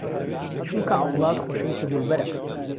چومکه عەولاد خۆشهويسته دولبەره